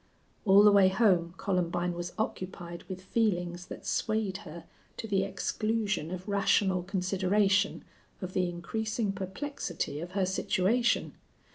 All the way home Columbine was occupied with feelings that swayed her to the exclusion of rational consideration of the increasing perplexity of her situation.